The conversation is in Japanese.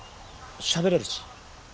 しゃべれるし。